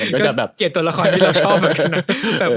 คุณก็เกลียดตัวละครที่เราชอบแบบนั้น